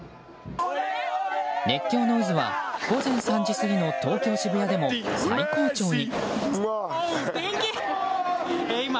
熱狂の渦は、午前３時過ぎの東京・渋谷でも最高潮に。